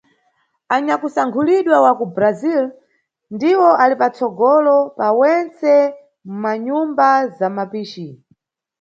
Anyakusankhulidwa wa ku Brasil ndiwo ali patsogolo pa wentse mʼmanyumba za mapici.